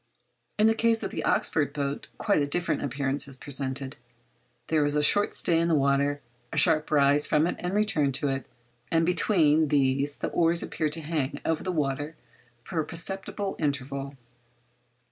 In the case of the Oxford boat quite a different appearance is presented—there is a short stay in the water, a sharp rise from and return to it, and between these the oars appear to hang over the water for a perceptible interval.